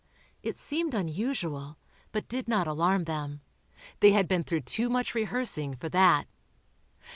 It seemed unusual, but did not alarm them. They had been through too much rehearsing, for that.